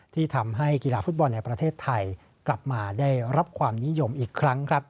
ที่ทำให้กีฬาฟุตบอลในประเทศไทยกลับมาได้รับความนิยมอีกครั้ง